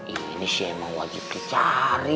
ini sih emang wajib dicari